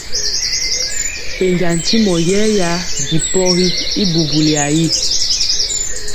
Pɛnja ntyimɔ yɛɛya bi pɔgi y bubuya ri.